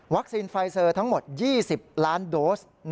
วัคซีนไฟเซอร์ทั้งหมด๒๐ล้านโดส